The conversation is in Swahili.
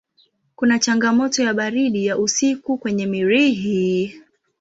Kuna changamoto ya baridi ya usiku kwenye Mirihi.